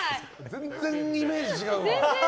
全然イメージ違う。